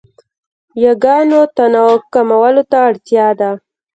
یاګانو تنوع کمولو ته اړتیا ده.